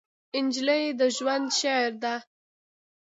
نجلۍ د ژوند شعر ده.